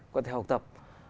có thể học tập